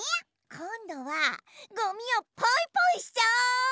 こんどはごみをポイポイしちゃおう！